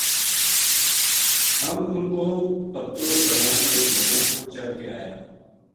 ہم اُنھ کو پتو کراں ویہ گھوڑاں پو چڑھ کے آیا